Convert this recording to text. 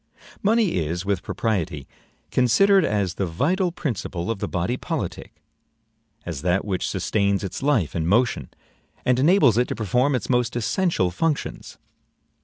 Money is, with propriety, considered as the vital principle of the body politic; as that which sustains its life and motion, and enables it to perform its most essential functions.